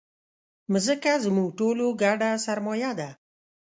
مځکه زموږ ټولو ګډه سرمایه ده.